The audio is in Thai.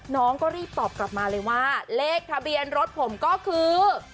น้องก็รีบตอบกลับมาเลยว่าเลขทะเบียนรถผมก็คือ